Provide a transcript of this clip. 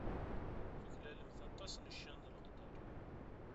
Tuklalemt aṭas n ccan d leqder.